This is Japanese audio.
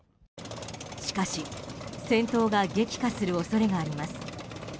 しかし、戦闘が激化する恐れがあります。